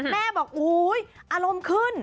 แม่บอกอารมณ์ขึ้น